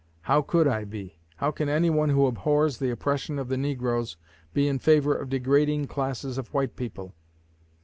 How could I be? How can anyone who abhors the oppression of the negroes be in favor of degrading classes of white people?